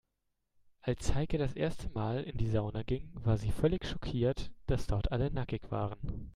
Als Heike das erste Mal in die Sauna ging, war sie völlig schockiert, dass dort alle nackig waren.